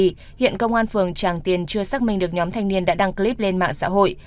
hiện công an phường tràng tiền chưa xác minh được nhóm thanh niên đã đăng clip lên mạng xã hội